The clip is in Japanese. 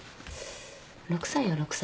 ６歳よ６歳。